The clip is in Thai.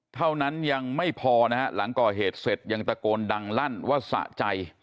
เท่านั้นยังไม่พอนะฮะหลังก่อเหตุเสร็จยังตะโกนดังลั่นว่าสะใจ